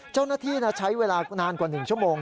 เจ้าหน้าที่ใช้เวลานานกว่า๑ชั่วโมง